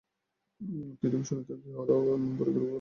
কিন্তু শুনিতে পাই– গৃহীরাও এমন বৈরাগ্যের কথা বলে।